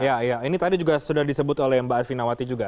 ya iya ini tadi juga sudah disebut oleh mbak asvinawati juga